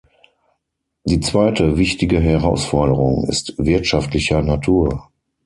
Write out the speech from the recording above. Die zweite wichtige Herausforderung ist wirtschaftlicher Natur.